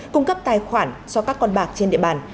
cung cấp tài khoản cho các con bạc trên địa bàn